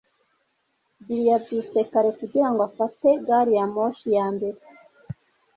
bill yabyutse kare kugirango afate gari ya moshi ya mbere